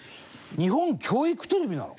日本教育テレビなの？